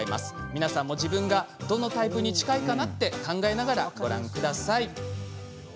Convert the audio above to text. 皆さんも自分がどのタイプに近いかなって考えながらご覧下さい。